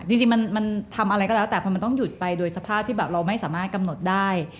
จริงมันทำอะไรก็แล้วแต่พอมันต้องหยุดไปโดยสภาพที่แบบเราไม่สามารถกำหนดได้